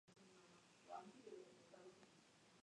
Él continuó el trabajo empezado por el Gurú Nanak.